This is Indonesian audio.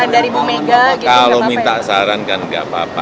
jadi kalau minta saran dari bu mega